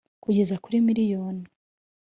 kugeza kuri miliyoni